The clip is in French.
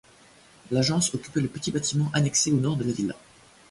L'agence occupait le petit bâtiment annexé au nord de la villa.